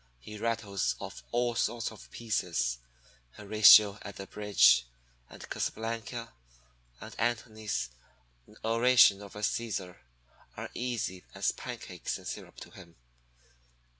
He rattles off all sorts of pieces, Horatio at the Bridge, and Casabianca, and Anthony's Oration Over Caesar, are easy as pancakes and syrup to him.